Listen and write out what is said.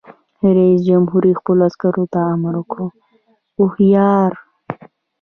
رئیس جمهور خپلو عسکرو ته امر وکړ؛ هوښیار!